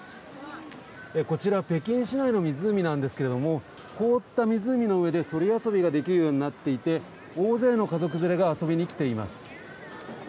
こちら北京市内の湖なんですが凍った湖の上で、そり遊びができるようになっていて大勢の家族連れが遊びに来ています。